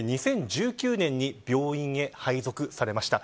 ２０１９年に病院へ配属されました。